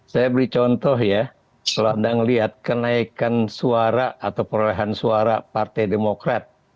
saya beri contoh ya kalau anda melihat kenaikan suara atau perolehan suara partai demokrat